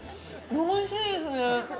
おいしいですね。